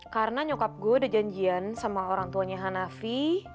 karena nyokap gue udah janjian sama orang tuanya hanafi